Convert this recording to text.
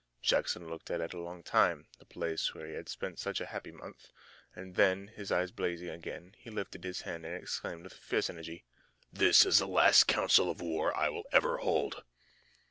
Jackson looked at it a long time, the place where he had spent such a happy month, and then, his eye blazing again, he lifted his hand and exclaimed with fierce energy: "That is the last council of war I will ever hold!"